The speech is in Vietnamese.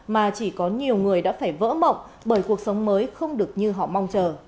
mà chỉ có nhiều người đã phải vỡ mộng bởi cuộc sống mới không được như họ mong chờ